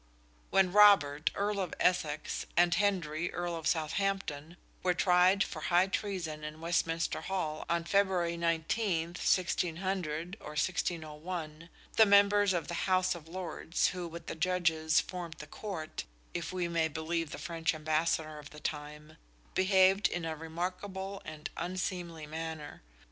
When Robert, Earl of Essex, and Henry, Earl of Southampton, were tried for high treason in Westminster Hall on February 19, 1600 1, the members of the House of Lords, who with the Judges formed the Court, if we may believe the French Ambassador of the time, behaved in a remarkable and unseemly manner.